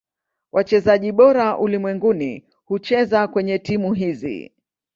Wachezaji bora ulimwenguni hucheza kwenye timu hizi.